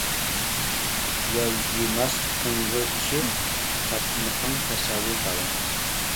يالجىماس قىڭغىر ئىشىڭ، تاپمىقىڭ تەستۇر داۋا.